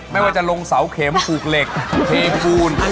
ไม่ว่าจะลงเสาเข็มปลูกเหล็กเทปูน